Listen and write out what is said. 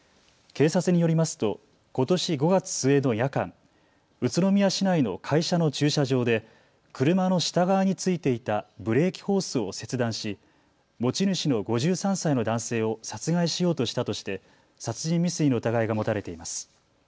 警察によりますとことし５月末の夜間、宇都宮市内の会社の駐車場で車の下側に付いていたブレーキホースを切断し持ち主の５３歳の男性を殺害しようとしたとして殺人未遂の疑いが持たれています。